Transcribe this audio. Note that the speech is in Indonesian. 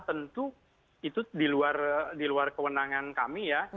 tentu itu di luar kewenangan kami ya